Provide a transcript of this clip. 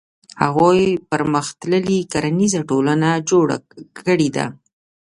هغوی پرمختللې کرنیزه ټولنه جوړه کړې ده.